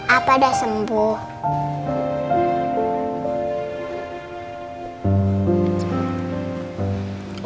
apa dah sembuh